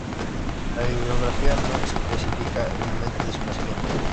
La bibliografía no especifica el momento de su nacimiento.